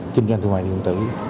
kinh doanh thương mại điện tử